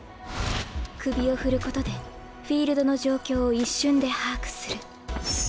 首を振ることでフィールドの状況を一瞬で把握する。